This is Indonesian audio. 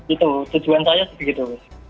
itu tujuan saya seperti itu